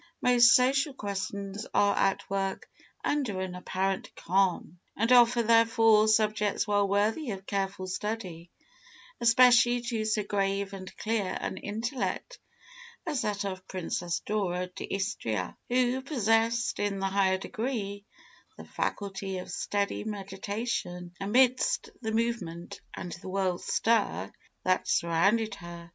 Most social questions are at work under an apparent calm, and offer, therefore, subjects well worthy of careful study, especially to so grave and clear an intellect as that of Princess Dora d'Istria, who possessed, in the highest degree, the faculty of steady meditation amidst the movement and the world stir that surrounded her.